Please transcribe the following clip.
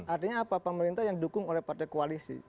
artinya apa pemerintah yang di dukung oleh partai koalisi